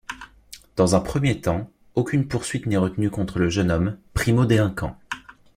Dans un premier temps, aucune poursuite n'est retenue contre le jeune homme, primo-délinquant.